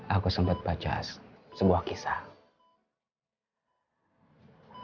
aku sempat baca sebuah kisah